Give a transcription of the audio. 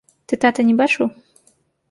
Ты таты не бачыў?